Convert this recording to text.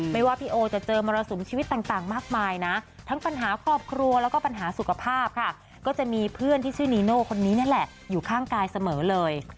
ว่าพี่โอจะเจอมรสุมชีวิตต่างมากมายนะทั้งปัญหาครอบครัวแล้วก็ปัญหาสุขภาพค่ะก็จะมีเพื่อนที่ชื่อนีโน่คนนี้นั่นแหละอยู่ข้างกายเสมอเลย